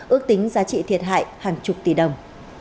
ước tính giá trị thiệt hại hàng chục tỷ đồng